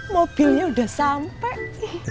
mobilnya udah sampai